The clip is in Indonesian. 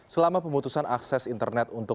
selama pemutusan akses internet